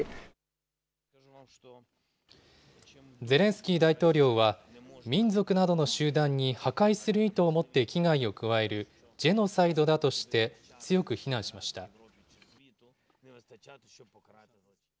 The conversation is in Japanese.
ゼレンスキー大統領は、民族などの集団に破壊する意図を持って危害を加えるジェノサイドだとして強く非難しました。